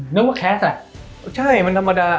นึกว่าแคสแหละ